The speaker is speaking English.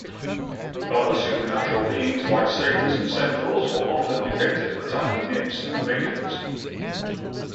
Other supernatural beings like satyrs and centaurs were often depicted attacking nymphs and maidens.